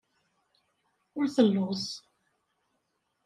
Ur telluẓ.